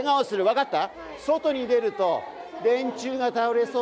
分かった？